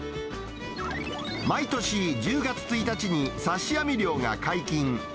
毎年１０月１日に刺し網漁が解禁。